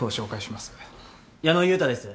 矢野悠太です。